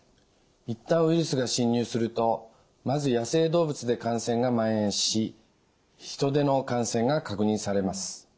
一旦ウイルスが侵入するとまず野生動物で感染がまん延し人での感染が確認されます。